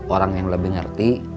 orang yang lebih ngerti